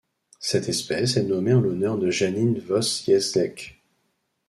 Cette espèce est nommée en l'honneur de Janine Wojcieszek.